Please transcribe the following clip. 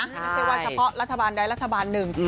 ไม่ใช่ว่าเฉพาะรัฐบาลใดรัฐบาลหนึ่ง